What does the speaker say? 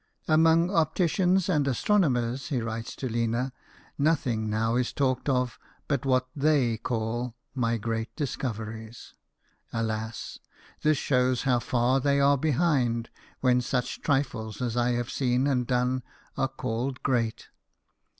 " Among opticians and astronomers," he writes to Lina, " nothing now is talked of but what they call my great discoveries. Alas ! this shows how far they are behind, when such trifles as I have seen and done are called great.